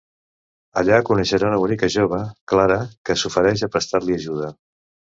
Allà coneixerà una bonica jove, Clara, que s'ofereix a prestar-li ajuda.